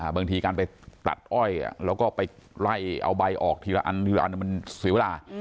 บางทีการไปตัดอ้อยแล้วก็ไปไล่เอาใบออกทีละอันทีละอันมันเสียเวลา